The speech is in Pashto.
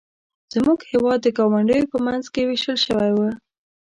زموږ هېواد د ګاونډیو په منځ کې ویشل شوی و.